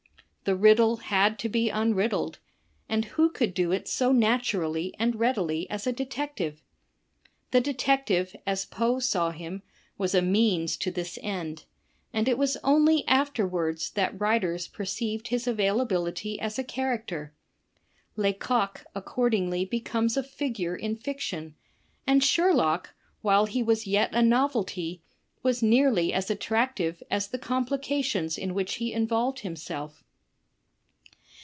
The riddl e had %o be imriddled; and who could do it so na^tiurally and readily as a dete ctivf i? The detective, as Poe saw him, was a means, to thisjendj and itjvas^ojily afterwards that writers perceived his availability as a character. Lecoq accordingly becomes a figure in fiction, and Sherlock, while he was yet a novelty, was nearly as attractive as the complications in which he involved himself.